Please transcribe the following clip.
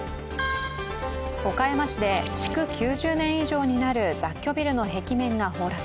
岡山市で、築９０年以上になる雑居ビルの壁面が崩落。